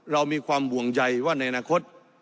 เรามีความห่วงใยว่าในอนาคต